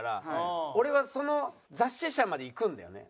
俺はその雑誌社まで行くんだよね。